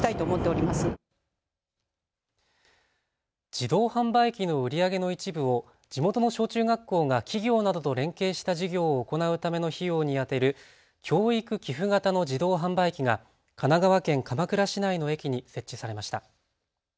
自動販売機の売り上げの一部を地元の小中学校が企業などと連携した授業を行うための費用に充てる教育寄付型の自動販売機が神奈川県鎌倉市内の駅に設置されました。